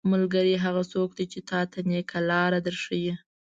ملګری هغه څوک دی چې تاته نيکه لاره در ښيي.